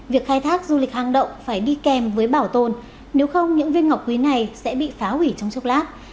việc khai thác du lịch hang động phải đi kèm với bảo tồn nếu không những viên ngọc quý này sẽ bị phá hủy trong chốc lát